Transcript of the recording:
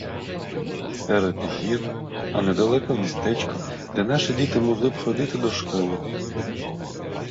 Серед гір а недалеко місточка, де наші діти могли би ходити до школи.